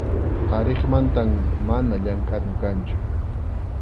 qariqmantam mana llamkʼana kanchu.